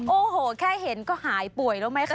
โอ้โหแค่เห็นก็หายป่วยแล้วไหมคะ